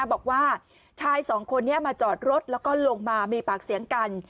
บอกว่าชายสองคนนี้มาจอดรถแล้วก็ลงมามีปากเสียงกัน